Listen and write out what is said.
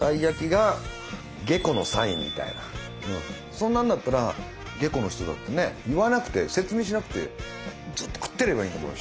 そんなんだったら下戸の人だってね言わなくて説明しなくてずっと食ってればいいんだもん